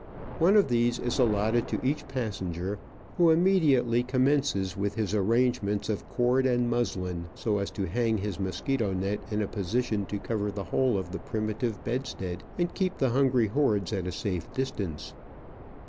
One of these is allotted to each passenger, who immediately commences with his arrangements of cords and muslin, so as to hang his mosquito net in a position to Digitized by VjOOQIC OF AN Orchid Hunter, 55 cover the whole of the primitive bedstead and keep the hungry hordes at a safe distance.